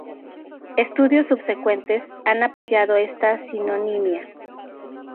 Estudios subsecuentes han apoyado esta sinonimia.